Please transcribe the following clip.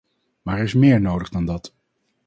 Maar er is meer nodig dan dat.